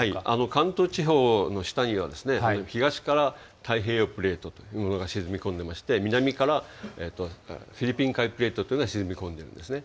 関東地方の下には、東から太平洋プレートというものが沈み込んでいまして、南からフィリピン海プレートというのが沈み込んでるんですね。